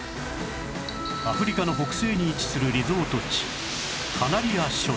アフリカの北西に位置するリゾート地カナリア諸島